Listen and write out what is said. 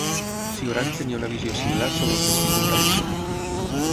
Cioran tenia una visió similar sobre el feixisme italià.